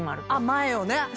前をね。